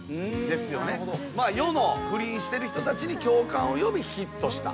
世の不倫してる人たちに共感を呼びヒットした。